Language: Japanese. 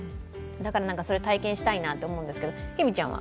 だから、それを体験したいなと思うんですけど日比ちゃんは？